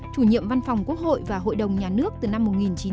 chủ nhiệm văn phòng quốc hội và hội đồng nhà nước từ năm một nghìn chín trăm chín mươi